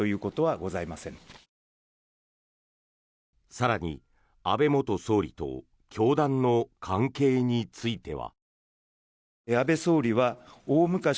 更に、安倍元総理と教団の関係については。